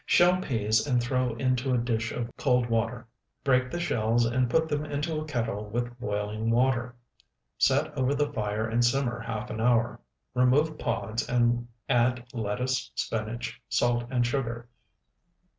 Shell peas and throw into a dish of cold water; break the shells and put them into a kettle with boiling water; set over the fire and simmer half an hour. Remove pods, and add lettuce, spinach, salt and sugar.